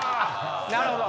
なるほど。